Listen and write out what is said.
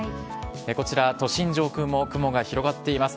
こちら、都心上空も雲が広がっています。